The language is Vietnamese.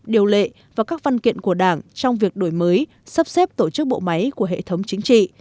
điều lệ và các văn kiện của đảng trong việc đổi mới sắp xếp tổ chức bộ máy của hệ thống chính trị